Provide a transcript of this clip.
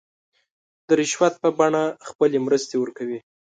د رشوت په بڼه خپلې مرستې ورکوي.